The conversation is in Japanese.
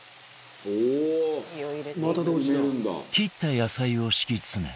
切った野菜を敷き詰め